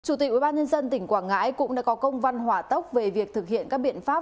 chủ tịch ubnd tỉnh quảng ngãi cũng đã có công văn hỏa tốc về việc thực hiện các biện pháp